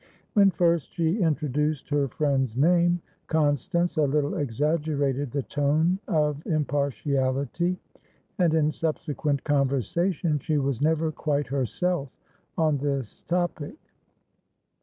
When first she introduced her friend's name, Constance a little exaggerated the tone of impartiality, and in subsequent conversation she was never quite herself on this topic.